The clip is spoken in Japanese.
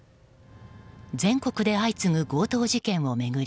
全国で相次ぐ強盗事件を巡り